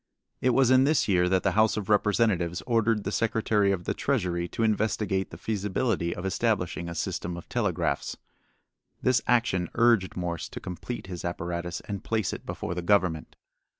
It was in this year that the House of Representatives ordered the Secretary of the Treasury to investigate the feasibility of establishing a system of telegraphs. This action urged Morse to complete his apparatus and place it before the Government.